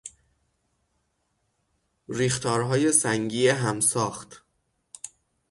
ریختارهای سنگی همساخت